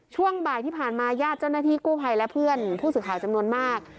ช่วงบ่ายที่ผ่านมาญาติเจ้าหน้าที่กู้ภัยและเพื่อนผู้สื่อข่าวจำนวนมาก